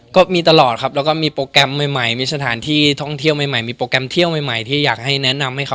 ก็มีตลอดครับแล้วก็มีโปรแกรมใหม่มีสถานที่ท่องเที่ยวใหม่มีโปรแกรมเที่ยวใหม่ที่อยากให้แนะนำให้เขา